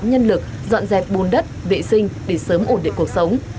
nhân lực dọn dẹp bùn đất vệ sinh để sớm ổn định cuộc sống